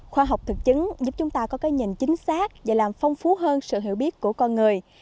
khoa học thực chứng giúp chúng ta có cái nhìn chính xác và làm phong phú hơn sự hiểu biết của con người